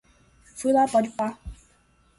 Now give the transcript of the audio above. fui lá, pode pá